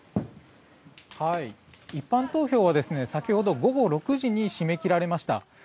一般投票は先ほど午後６時に締め切られました。